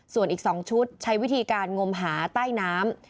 ส่วนอีก๒ชุดใช้วิธีการงมหาใต้น้ำ